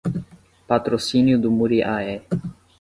Patrocínio do Muriaé